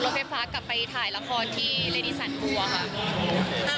เราไปฟักกลับไปถ่ายละครที่เรดีสันกลัวค่ะ